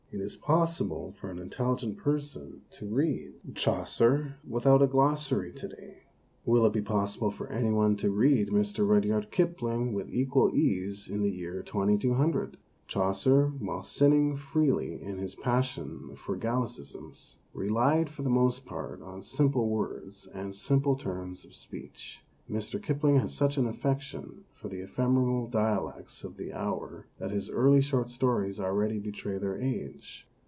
It is pos sible for an intelligent person to read 186 MONOLOGUES Chaucer without a glossary to day. Will it be possible for any one to read Mr. Rudyard Kipling with equal ease in the year 2200? Chaucer, while sinning freely in his passion for gallicisms, relied for the most part on simple words and simple turns of speech. Mr. Kipling has such an affection for the ephemeral dialects of the hour that his early short stories already betray their age.